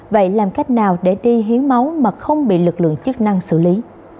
vậy làm cách nào để đi hiến máu mà không bị lực lượng chức năng xử lý